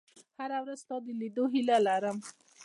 • هره ورځ ستا د لیدو هیله لرم.